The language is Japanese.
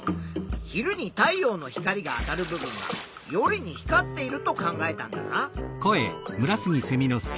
昼に太陽の光が当たる部分が夜に光っていると考えたんだな。